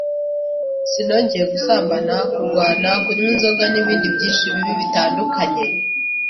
sinongeye gusambana, kurwana, kunywa inzoga n’ibindi byinshi bibi bitandukanye,